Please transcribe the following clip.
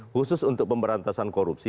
khusus untuk pemberantasan korupsi